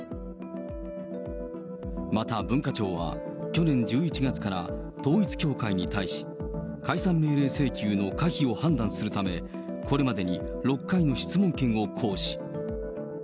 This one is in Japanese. また文化庁は、去年１１月から統一教会に対し、解散命令請求の可否を判断するため、これまでに６回の質問権を行使。